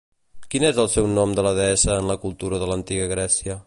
Quin és el seu nom de la deessa en la cultura de l'Antiga Grècia?